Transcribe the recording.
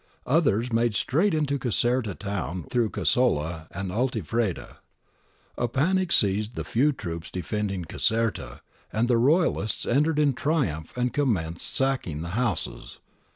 Others made straight into Caserta town through Casolla and Altifreda. A panic seized the few troops defending Caserta, and the Royalists entered in triumph and commenced sacking the houses.